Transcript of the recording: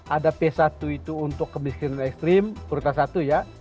ada p satu itu untuk kemiskinan ekstrim prioritas satu ya